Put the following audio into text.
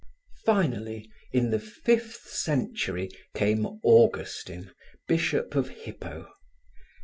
Finally, in the fifth century came Augustine, bishop of Hippo.